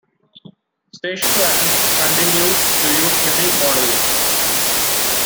Station wagons continued to use unique model names.